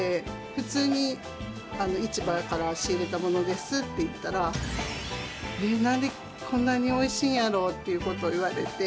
普通に市場から仕入れたものですって言ったら「えっ何でこんなにおいしいんやろ」っていうこと言われて。